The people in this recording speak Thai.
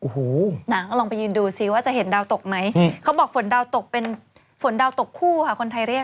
โอ้โหหนังลองไปยืนดูสิว่าจะเห็นดาวตกไหมเขาบอกฝนดาวตกเป็นฝนดาวตกคู่ค่ะคนไทยเรียก